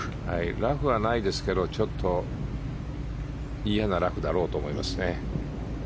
ラフはないですけどちょっと嫌なラフだろうと思います。